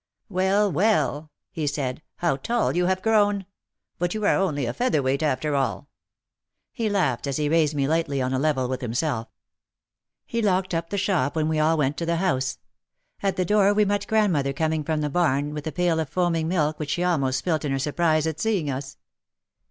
"Well, well," he said, "how tall you have grown. But you are only a feather weight after all." He laughed as he raised me lightly on a level with himself. He locked up the shop and we all went to the house. At the door we met grandmother coming from the barn with a pail of foaming milk which she almost spilt in her surprise at seeing us.